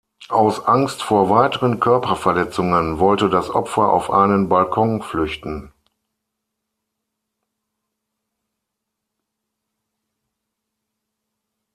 Aus Angst vor weiteren Körperverletzungen wollte das Opfer auf einen Balkon flüchten.